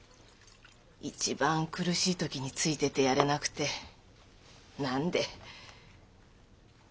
一番苦しい時についててやれなくてなんで。